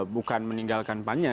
bukan meninggalkan pan nya